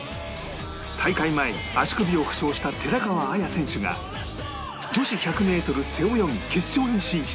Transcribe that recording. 大会前に足首を負傷した寺川綾選手が女子１００メートル背泳ぎ決勝に進出